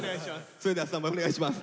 それではスタンバイお願いします。